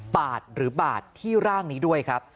ปาดหรือบาดที่ร่างนี้ด้วยครับ